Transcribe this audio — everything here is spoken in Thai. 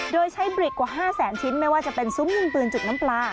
โดยใช้บริกกว่า๕แสนชิ้นไม่ว่าจะเป็นซุ้มยิงปืนจุดน้ำปลา